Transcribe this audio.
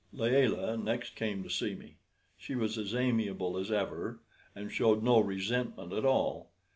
Layelah next came to see me. She was as amiable as ever, and showed no resentment at all.